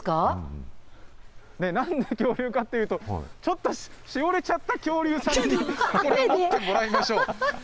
なんで恐竜かっていうと、ちょっとしおれちゃった恐竜さんに説明してもらいましょう。